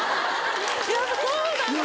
やっぱそうなんですね。